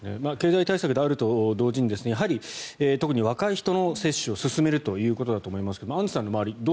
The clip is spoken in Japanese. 経済対策であると同時にやはり特に若い人の接種を進めるということだと思いますがアンジュさんの周り